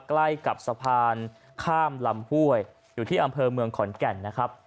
ใกล้กับสะพานข้ามลำห้วยอยู่ที่อำเภอเมืองขอนแก่นนะครับ